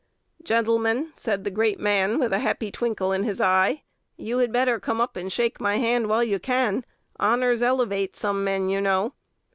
"Gentlemen," said the great man with a happy twinkle in his eye, "you had better come up and shake my hand while you can: honors elevate some men, you know."